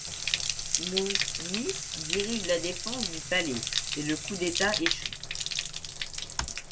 Mou'nis dirige la défense du palais et le coup d'état échoue.